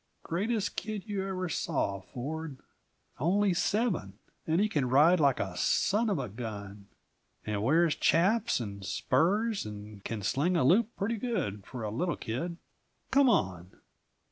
Greatest kid you ever saw, Ford! Only seven, and he can ride like a son of a gun, and wears chaps and spurs, and can sling a loop pretty good, for a little kid! Come on!"